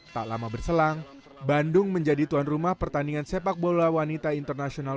tak lama berselang bandung menjadi tuan rumah pertandingan sepak bola wanita internasional